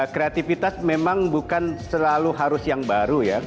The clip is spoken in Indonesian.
kreativitas memang bukan selalu harus yang baru ya